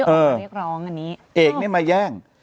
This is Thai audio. เอกเนี่ยมาแย่ง